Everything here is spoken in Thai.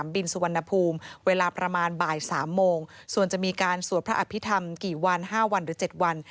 พิธรรมกี่วัน๕วันหรือ๗วัน